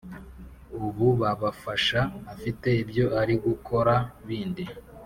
ububabafasha afite ibyo ari gukora bindi